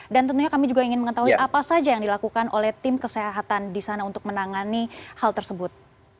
dan tentunya kami juga ingin mengetahui apa saja yang dilakukan oleh tim kesehatan di sana untuk menangani hal tersebut